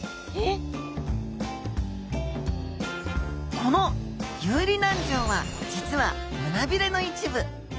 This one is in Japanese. この遊離軟条は実は胸びれの一部。